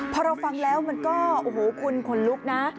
พอเราฟังแล้วมันก็โอ้โหคุณขนลุกนะ